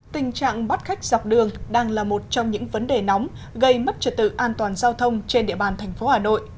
tình trạng bắt khách dọc đường đang là một trong những vấn đề nóng gây mất trật tự an toàn giao thông trên địa bàn thành phố hà nội